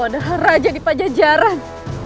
adalah raja di pajajaran